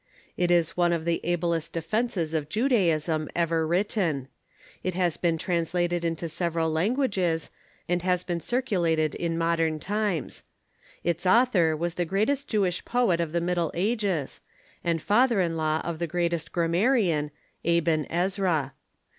Is is one of the ablest defences of Judaism ever written. It has been trans lated into several languages, and has been circulated in modern times. Its author was the greatest Jewish poet of the Middle Ages, and father in law of the greatest grammarian, Aben Ezra.